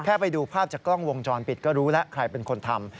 ไปดูภาพจากกล้องวงจรปิดก็รู้แล้วใครเป็นคนทำ